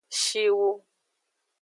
Shiwu.